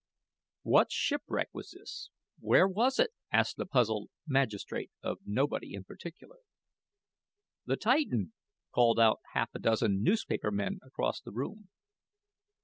"What shipwreck was this where was it?" asked the puzzled magistrate of nobody in particular. "The Titan," called out half a dozen newspaper men across the room.